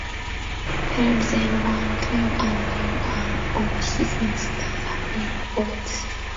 Peralta then won twelve and drew one of his next thirteen bouts.